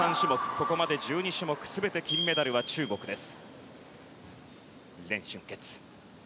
ここまで１２種目全て金メダルは中国です。